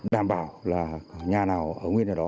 đảm bảo là nhà nào